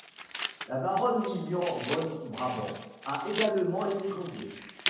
La baronne Lilian von Brabant a également été conviée..